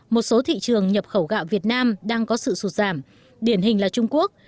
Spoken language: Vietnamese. một số thị trường nhập khẩu gạo việt nam đang có sự sụt giảm điển hình là trung quốc